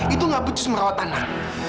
itu gak becus merawat tanah